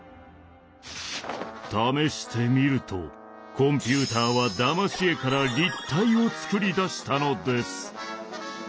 試してみるとコンピューターはだまし絵から立体を作り出したのです。